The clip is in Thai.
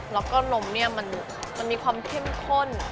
แล้วก็นมเนี่ยมันมีความเข้มข้น